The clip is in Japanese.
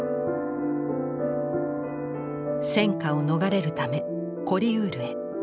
戦禍を逃れるためコリウールへ。